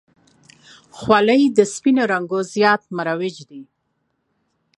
خولۍ د سپینو رنګو زیات مروج دی.